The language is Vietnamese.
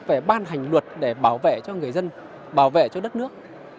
về ban hành luật để bảo vệ cho người dân bảo vệ cho đất nước